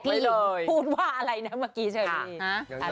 บุกกี้พูดว่าอะไรนะเมื่อกี้เฉยนี้